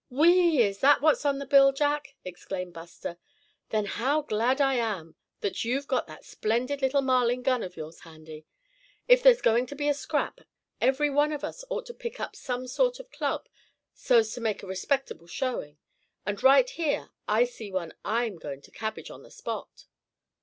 "Whee! is that what's on the bill, Jack?" exclaimed Buster, "then how glad I am that you've got that splendid little Marlin gun of yours handy. If there's going to be a scrap, every one of us ought to pick up some sort of club, so's to make a respectable showing. And right here I see one I'm going to cabbage on the spot."